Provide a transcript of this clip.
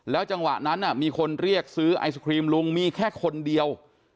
จังหวะนั้นมีคนเรียกซื้อไอศครีมลุงมีแค่คนเดียว